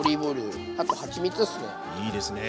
いいですね。